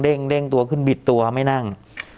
เร่งตัวขึ้นบิดตัวไม่นั่ง